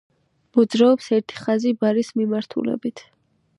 მოძრაობს ერთი ხაზი ბარის მიმართულებით.